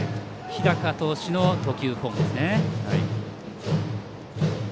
日高投手の投球フォームですね。